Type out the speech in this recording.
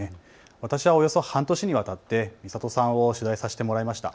私はおよそ半年にわたってみさとさんを取材させてもらいました。